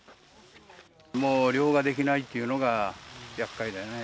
もう漁ができないっていうのが、やっかいだよね。